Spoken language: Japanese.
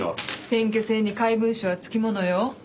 選挙戦に怪文書は付きものよ。